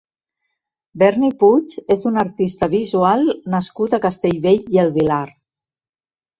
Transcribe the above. Berni Puig és un artista visual nascut a Castellbell i el Vilar.